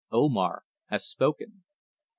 Omar has spoken."